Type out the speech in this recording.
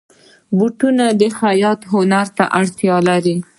بوټونه د خیاطۍ هنر ته اړتیا لري.